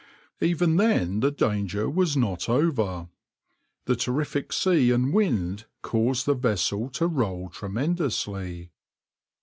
\par Even then the danger was not over. The terrific sea and wind caused the vessel to roll tremendously.